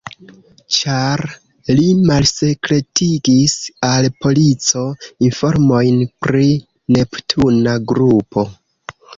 Ĉar li malsekretigis al polico informojn pri Neptuna grupo.